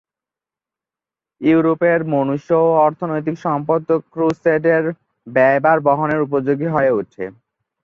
ইউরোপের মনুষ্য ও অর্থনৈতিক সম্পদ ক্রুসেডের ব্যয়ভার বহনের উপযোগী হয়ে ওঠে।